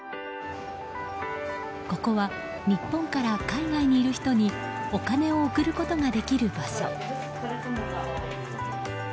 ここは日本から海外にいる人にお金を送ることができる場所。